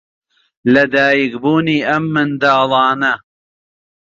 لەدایکبوونی ئەم منداڵانە